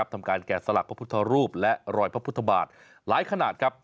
ทำการแกะสลักพระพุทธรูปและรอยพระพุทธบาทหลายขนาดครับ